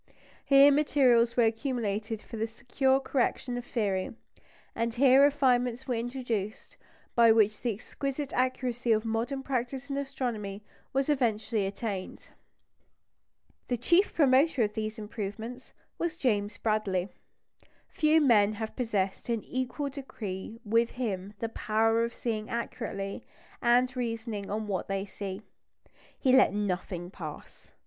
Here materials were accumulated for the secure correction of theory, and here refinements were introduced by which the exquisite accuracy of modern practice in astronomy was eventually attained. The chief promoter of these improvements was James Bradley. Few men have possessed in an equal degree with him the power of seeing accurately, and reasoning on what they see. He let nothing pass.